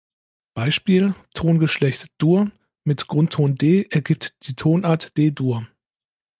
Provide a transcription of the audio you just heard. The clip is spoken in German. Beispiel: Tongeschlecht "Dur" mit Grundton "D" ergibt die Tonart "D-Dur".